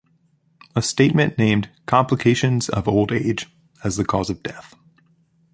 A statement named "complications of old age" as the cause of death.